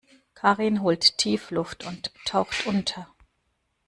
Karin holt tief Luft und taucht unter.